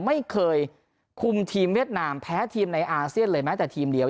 ไม่เคยคุมทีมเวียดนามแพ้ทีมในอาเซียนเลยแม้แต่ทีมเดียว